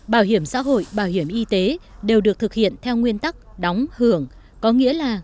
bảo hiểm xã hội bảo hiểm y tế đều được thực hiện theo nguyên tắc đóng hưởng có nghĩa là